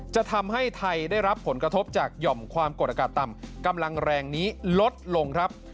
จะทำให้ไทยได้รับผลกระทบจากหย่อมความกดอากาศต่ำกำลังแรงนี้ลดลงครับ